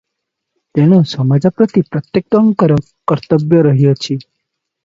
ତେଣୁ ସମାଜ ପ୍ରତି ପ୍ରତ୍ୟେକଙ୍କର କର୍ତ୍ତବ୍ୟ ରହିଅଛି ।